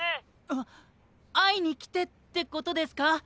あっあいにきてってことですか？